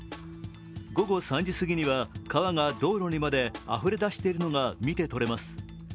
午後３時過ぎには川が道路にまであふれ出しているのが見ててれます。